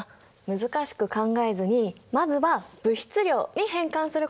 難しく考えずにまずは物質量に変換することがポイントなんだ！